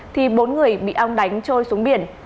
thì bốn người bị ong đánh trôi xuống biển